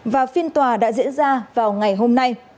và phiên tòa đã diễn ra vào ngày hôm nay